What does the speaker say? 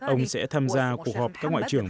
ông sẽ tham gia cuộc họp các ngoại trưởng